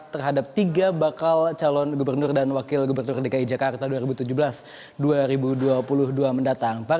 terhadap tiga bakal calon gubernur dan wakil gubernur dki jakarta dua ribu tujuh belas dua ribu dua puluh dua mendatang